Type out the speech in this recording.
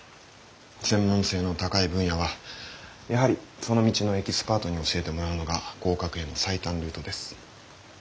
専門性の高い分野はやはりその道のエキスパートに教えてもらうのが合格への最短ルートです。